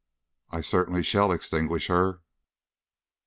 "I certainly shall extinguish her."